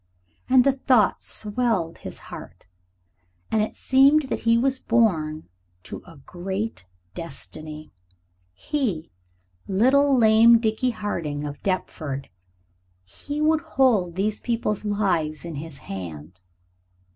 And the thought swelled his heart, and it seemed that he was born to a great destiny. He little lame Dickie Harding of Deptford he would hold these people's lives in his hand.